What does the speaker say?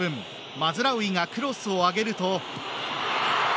マズラウイがクロスを上げると。